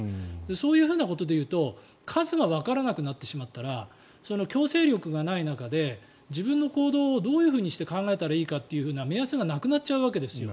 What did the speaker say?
そういうふうなことでいうと数がわからなくなってしまったら強制力がない中で自分の行動をどういうふうに考えたらいいかって目安がなくなっちゃうわけですよ。